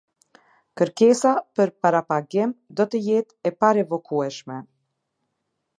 Kërkesa për Parapagim do të jetë e parevokueshme.